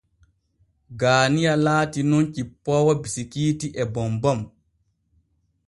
Gaaniya laati nun cippoowo bisikiiiti e bombom.